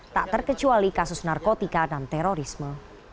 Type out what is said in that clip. tak terkecuali kasus narkotika dan terorisme